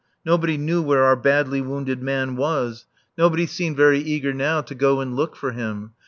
Nobody knew where our badly wounded man was. Nobody seemed very eager now to go and look for him.